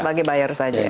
sebagai buyer saja ya